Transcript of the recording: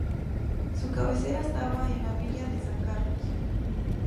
Su cabecera estaba en la Villa de San Carlos.